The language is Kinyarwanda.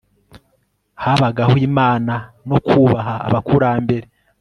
habagaho imana no kubaha abakurambere